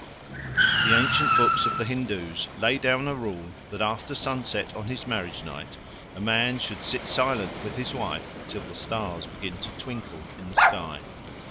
The ancient books of the Hindoos lay down a rule that after sunset on his marriage night a man should sit silent with his wife till the stars begin to twinkle in the sky.